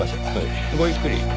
ごゆっくり。